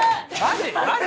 マジ？